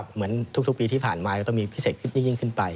เหมือนทุกปีที่ผ่านมาก็ต้องมีพิเศษขึ้นยิ่งขึ้นไป